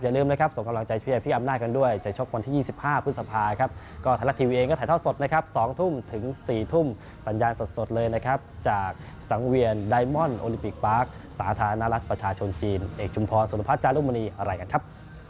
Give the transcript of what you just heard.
อย่าลืมนะครับส่งกำลังใจเชื่อพี่อำนาจกันด้วยในชกพลที่๒๕พ